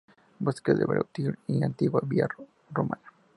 Bosque de Breteuil y antigua vía romana.